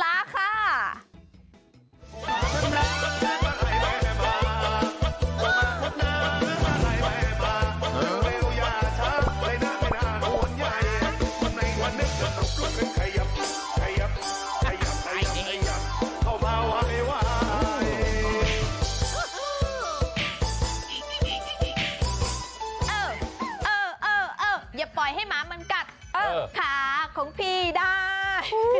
อย่าปล่อยให้หมามันกัดขาของพี่ได้